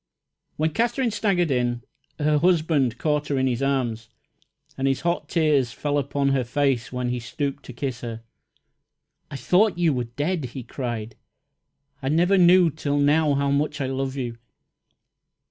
When Katherine staggered in, her husband caught her in his arms, and his hot tears fell upon her face when he stooped to kiss her. "I thought you were dead!" he cried. "I never knew till now how much I love you!"